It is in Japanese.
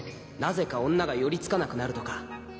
なぜか女が寄り付かなくなるとか